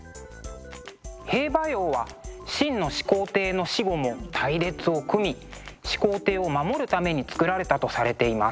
兵馬俑は秦の始皇帝の死後も隊列を組み始皇帝を守るために作られたとされています。